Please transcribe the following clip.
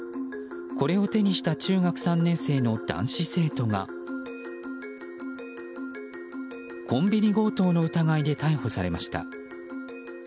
これを手にした中学３年生の男子生徒がコンビニ強盗の疑いで逮捕されました。